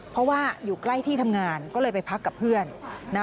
เพราะว่าอยู่ใกล้ที่ทำงานก็เลยไปพักกับเพื่อนนะ